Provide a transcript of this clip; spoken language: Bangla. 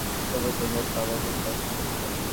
মাঝে মাঝে অফিস থেকে এসে শোভন দেখে বাবা বসে আছে চুপচাপ।